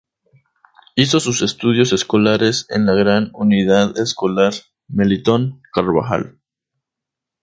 Hizo sus estudios escolares en la Gran Unidad Escolar Melitón Carvajal.